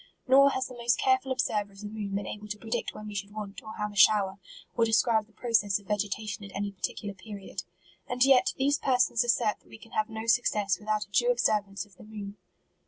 Nor has the most careful observer of the moon been able to predict when we should want, or have a shower, or describe the progress of vegetation at any particular period. And yet, these persons assert that we can have no success without a due observance of the moon.